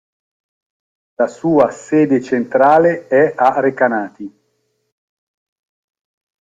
La sua sede centrale è a Recanati.